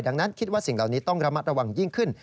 ดังนั้นคิดว่าสิ่งเหล่านี้ต้องระมัดระวังยิ่งขึ้น